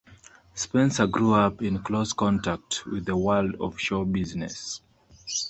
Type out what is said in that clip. Spencer grew up in close contact with the world of showbusiness.